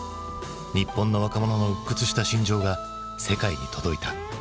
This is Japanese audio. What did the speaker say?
日本の若者の鬱屈した心情が世界に届いた。